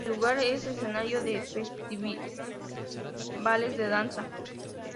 El lugar es escenario de festivales de danza.